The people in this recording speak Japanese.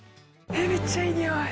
めっちゃいい匂い。